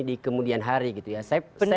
di kemudian hari saya membayangkan